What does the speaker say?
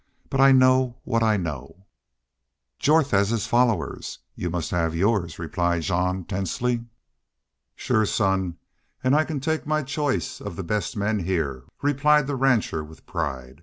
But I know what I know." "Jorth has his followers. You must have yours," replied Jean, tensely. "Shore, son, an' I can take my choice of the best men heah," replied the rancher, with pride.